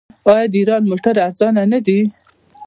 آیا د ایران موټرې ارزانه نه دي؟